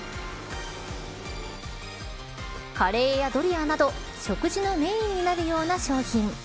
カレーやドリアなど食事のメーンになるような商品。